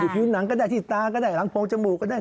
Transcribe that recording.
ผิวหนังก็ได้ที่ตาก็ได้หลังโปรงจมูกก็ได้